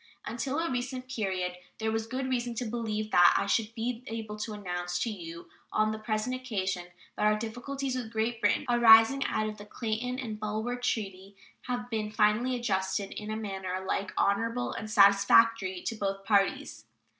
Until a recent period there was good reason to believe that I should be able to announce to you on the present occasion that our difficulties with Great Britain arising out of the Clayton and Bulwer treaty had been finally adjusted in a manner alike honorable and satisfactory to both parties.